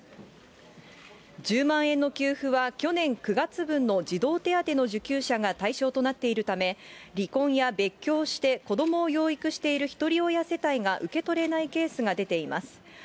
１０万円の給付は去年９月分の児童手当の受給者が対象となっているため、離婚や別居をして、子どもを養育している１人親世帯が受け取れないケースが出ています。